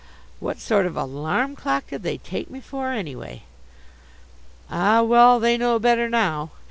What sort of alarm clock did they take me for, anyway! Ah, well! They know better now.